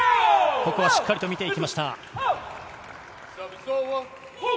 ここはしっかりと見ていきました。